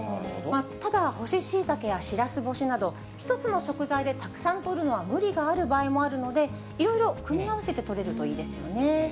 ただ、干しシイタケやシラス干しなど、１つの食材でたくさんとるのは無理がある場合もあるので、いろいろ組み合わせてとれるといいですよね。